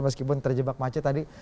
meskipun terjebak macet tadi